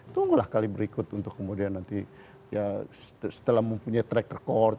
tunggulah kali berikut untuk kemudian nanti ya setelah mempunyai track record